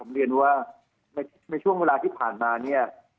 เรียนว่าในช่วงเวลาที่ผ่านมาเนี่ย